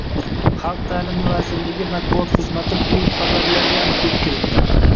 Xalq taʼlimi vazirligi matbuot xizmati bu xabarlarga aniqlik kiritdi.